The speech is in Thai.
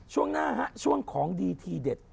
ช่วงหน้าฮะช่วงของดีทีเด็ด